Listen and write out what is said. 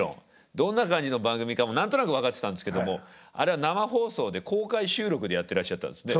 どんな感じの番組かも何となく分かってたんですけどもあれは生放送で公開収録でやってらっしゃったんですね。